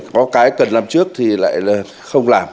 có cái cần làm trước thì lại là không làm